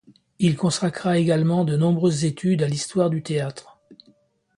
Il consacra également de nombreuses études à l'histoire du théâtre.